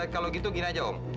kalau gitu gini aja om